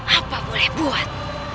apa boleh buat